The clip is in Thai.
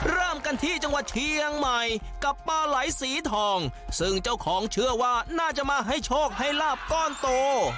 เริ่มกันที่จังหวัดเชียงใหม่กับปลาไหลสีทองซึ่งเจ้าของเชื่อว่าน่าจะมาให้โชคให้ลาบก้อนโต